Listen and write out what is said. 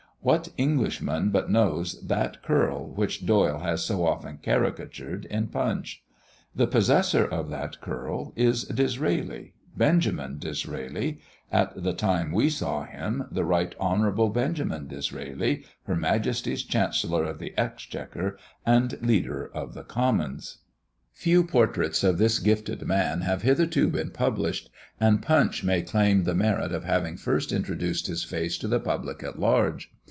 What Englishman but knows that curl which Doyle has so often caricatured in Punch? The possessor of that curl is Disraeli, Benjamin Disraeli, at the time we saw him the Right Honourable Benjamin Disraeli, her Majesty's Chancellor of the Exchequer and Leader of the Commons. Few portraits of this gifted man have hitherto been published; and Punch may claim the merit of having first introduced his face to the public at large.